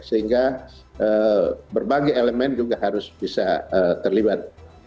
sehingga berbagai elemen juga harus bisa terlibat